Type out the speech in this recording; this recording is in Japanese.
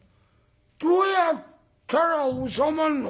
どうやったら収まんの？」。